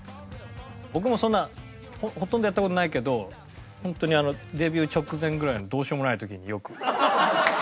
僕もそんなほとんどやった事ないけど本当にデビュー直前ぐらいのどうしようもない時によく。